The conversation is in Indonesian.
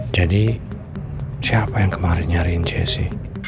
jadi siapa yang kemarin nyariin jessy